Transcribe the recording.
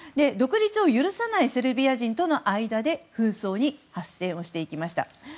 独立を許さないセルビア人との間で紛争に発展をしていきました。